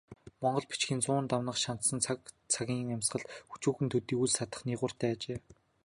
Монгол бичгийн зуун дамнах шандас цаг цагийн амьсгалд өчүүхэн төдий үл саатах нигууртай ажээ.